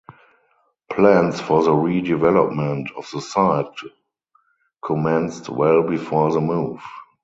Plans for the redevelopment of the site commenced well before the move.